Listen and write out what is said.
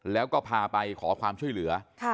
แล้วก็พาไปขอความช่วยเหลือ